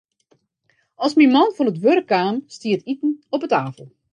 As myn man fan it wurk kaam, stie it iten op 'e tafel.